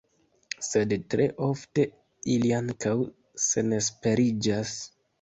Sed tre ofte ili ankaŭ senesperiĝas.